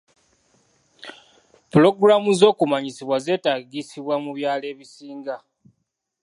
Pulogulaamu z'okumanyisibwa zeetagisibwa mu byalo ebisinga.